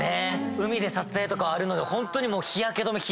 海で撮影とかあるのでホントにもう。